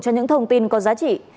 cho những thông tin có giá trị